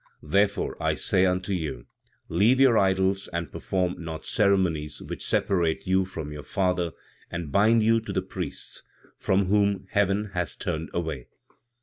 "Therefore, I say unto you, leave your idols and perform not ceremonies which separate you from your Father and bind you to the priests, from whom heaven has turned away.